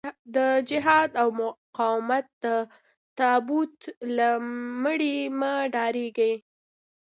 د جهاد او مقاومت د تابوت له مړي مه ډارېږئ.